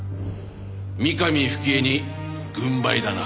三上冨貴江に軍配だな。